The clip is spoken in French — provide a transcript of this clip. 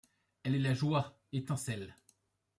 Elle est la joie, étincelle